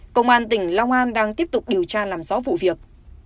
công an tỉnh long an đang tiếp tục điều tra làm rõ vụ việc